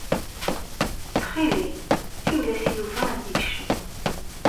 Ttxil-k, siwel-as i Yuba ad d-ikcem.